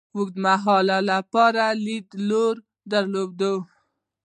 د اوږد مهال لپاره یې لرلید درلود.